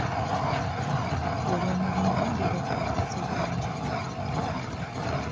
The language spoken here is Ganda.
Ekkubo ly'omulimba liba ku lusebenju .